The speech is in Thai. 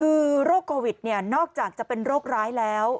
คือโรคโควิดเนี่ยนอกจากจะเป็นโรคร้ายแล้ว